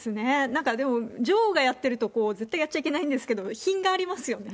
なんかでも、女王がやってると、絶対やっちゃいけないんですけど、品がありますよね。